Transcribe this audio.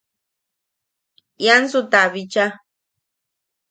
Iansu ta bicha.